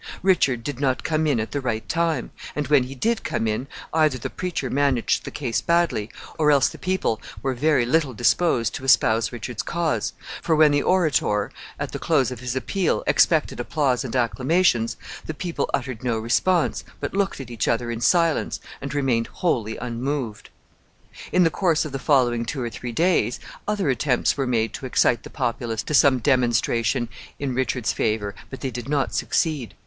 Richard did not come in at the right time, and when he did come in, either the preacher managed the case badly, or else the people were very little disposed to espouse Richard's cause; for when the orator, at the close of his appeal, expected applause and acclamations, the people uttered no response, but looked at each other in silence, and remained wholly unmoved. In the course of the following two or three days, other attempts were made to excite the populace to some demonstration in Richard's favor, but they did not succeed.